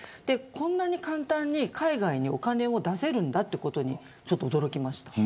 こんなに簡単に海外にお金を出せるんだってことにちょっと驚きました。